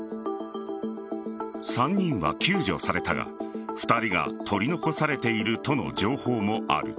３人は救助されたが２人が取り残されているとの情報もある。